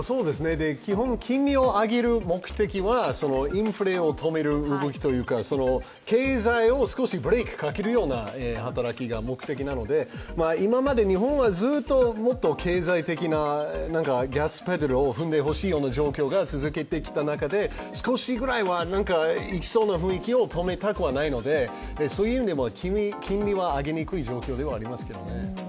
基本、金利を上げる目的はインフレを止める動きというか、経済を少しブレーキをかけるような働きが目的なので今まで日本はずっともっと経済的なペダルを踏んで欲しいような状況が続いてきた中で、少しぐらいはいきそうな感じを止めたくはないので、そういう意味でも金利は上げにくい状況ではありますけどね。